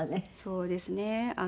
そうですね。